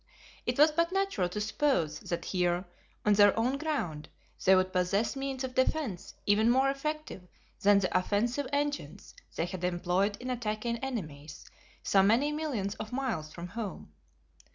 It was but natural to suppose that here, on their own ground, they would possess means of defence even more effective than the offensive engines they had employed in attacking enemies so many millions of miles from home.